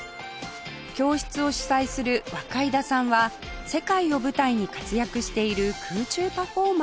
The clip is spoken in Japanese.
教室を主宰する若井田さんは世界を舞台に活躍している空中パフォーマー